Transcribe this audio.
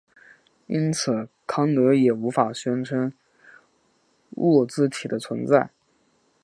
因此康德也无法宣称物自体的存在。